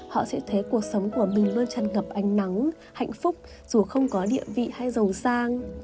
họ sẽ thấy cuộc sống của mình luôn chân ngập ánh nắng hạnh phúc dù không có địa vị hay giàu sang